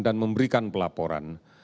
dan memberikan pelaporan